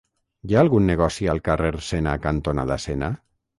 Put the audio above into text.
Hi ha algun negoci al carrer Sena cantonada Sena?